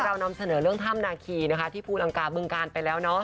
เรานำเสนอเรื่องถ้ำนาคีนะคะที่ภูลังกาบึงการไปแล้วเนาะ